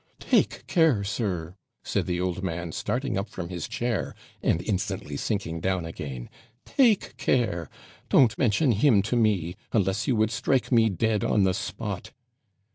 'Take care, sir,' said the old man, starting up from his chair, and instantly sinking down again 'take care! Don't mention him to me unless you would strike me dead on the spot!'